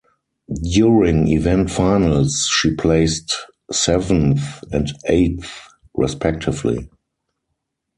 During event finals she placed seventh and eighth respectively.